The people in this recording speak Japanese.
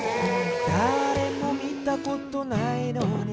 「だれも見たことないのにな」